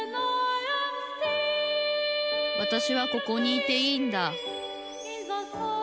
わたしはここにいていいんだ